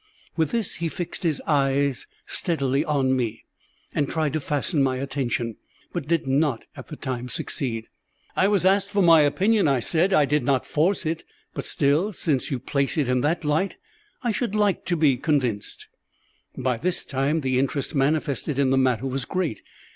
With this he fixed his eyes steadily on me, and tried to fasten my attention, but did not at the time succeed. "I was asked for my opinion," I said; "I did not force it. But still, since you place it in that light, I should like to be convinced." By this time the interest manifested in the matter was great.